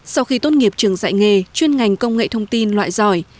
sau khi tốt nghiệp trường dạy nghề chuyên ngành công nghệ thông tin loại giỏi